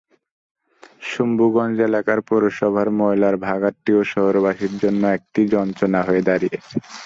শম্ভুগঞ্জ এলাকায় পৌরসভার ময়লার ভাগাড়টিও শহরবাসীর জন্য একটি যন্ত্রণা হয়ে দাঁড়িয়েছে।